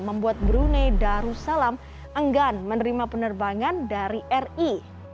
membuat brunei darussalam enggan menerima penerbangan dari ri